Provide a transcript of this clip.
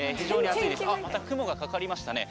あっまた雲がかかりましたね。